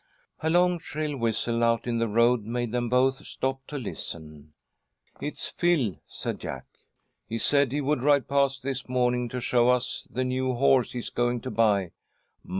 A long, shrill whistle out in the road made them both stop to listen. "It's Phil," said Jack. "He said he would ride past this morning to show us the new horse he is going to buy.